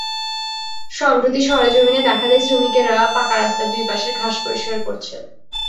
সম্প্রতি সরেজমিনে দেখা যায়, শ্রমিকেরা পাকা রাস্তার দুই পাশের ঘাস পরিষ্কার করছেন।